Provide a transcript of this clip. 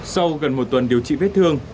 sau gần một tuần điều trị vết thương